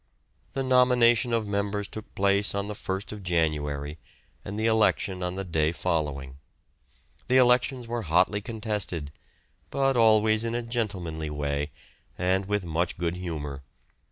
The nomination of members took place on the 1st January, and the election on the day following. The elections were hotly contested, but always in a gentlemanly way, and with much good humour.